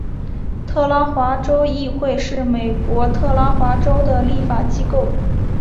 特拉华州议会是美国特拉华州的立法机构。